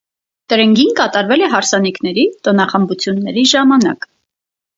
Տրնգին կատարվել է հարսանիքների, տոնախմբությունների ժամանակ։